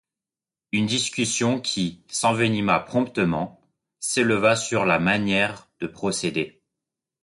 Une discussion, qui s’envenima promptement, s’éleva sur la manière de procéder.